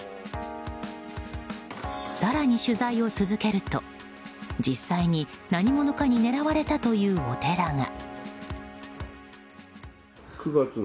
更に取材を続けると実際に何者かに狙われたというお寺が。